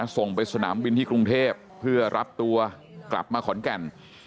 ส่งไปสนามบินที่กรุงเทพเพื่อรับตัวกลับมาขอนแก่น